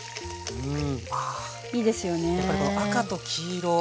うん。